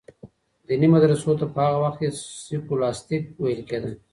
دیني مدرسو ته په هغه وخت کي سکولاستیک ویل کیده.